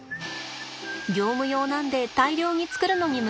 業務用なんで大量に作るのに向いています。